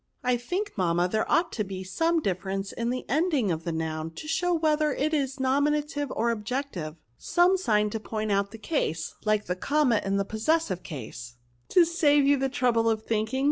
. NOUNS. 147 '* I think, mamma, there ought to be some difference in the ending of the noun, to show whether it is nominative or object ive ; some sign to point out the case, like the comma in the possessive case/' " To save you the trouble of thinking